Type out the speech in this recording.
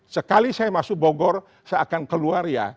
sekali saya masuk bogor saya akan keluar ya